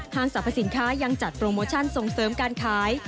สรรพสินค้ายังจัดโปรโมชั่นส่งเสริมการขาย